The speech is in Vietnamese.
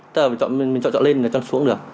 chứ là mình chọn lên là chọn xuống được